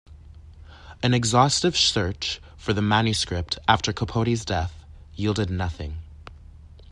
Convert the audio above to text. An exhaustive search for the manuscript after Capote's death yielded nothing.